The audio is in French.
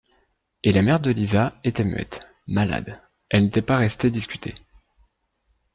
Et la mère de Liza était muette, malade, elle n’est pas restée discuter.